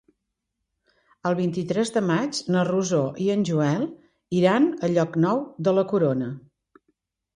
El vint-i-tres de maig na Rosó i en Joel iran a Llocnou de la Corona.